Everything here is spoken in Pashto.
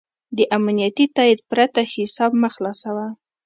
د امنیتي تایید پرته حساب مه خلاصوه.